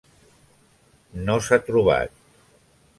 No s'ha trobat.